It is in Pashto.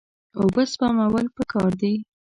اوبه سپمول پکار دي.